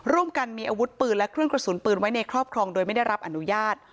ร่วมกันมีอาวุธปืนและเครื่องกระสุนปืนไว้ในครอบครองโดยไม่ได้รับอนุญาต